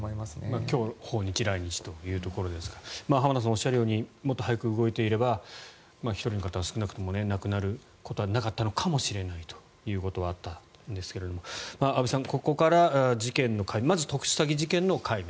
今日訪日、来日ということですが浜田さんがおっしゃるようにもっと早く動いていれば１人の方は亡くなることはなかったのかもしれないということはあったんですが安部さん、ここから事件の解明